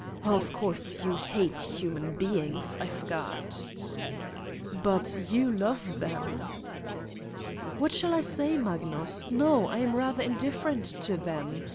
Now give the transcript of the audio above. Of course, you hate human beings, I forgot/' "But you love them?" "What shall I say, Magnus? No, I am rather indifferent to them.